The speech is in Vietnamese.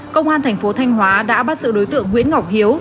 công an thành phố thanh hóa đã bắt sự đối tượng nguyễn ngọc hiếu